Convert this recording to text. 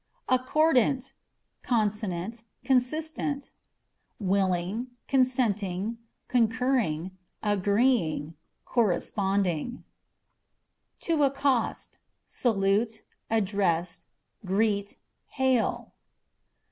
Accordantâ€" consonant, consistent ; willing, consenting, con curring, agreeing, corresponding. To Accost â€" salute, address, greet, hail.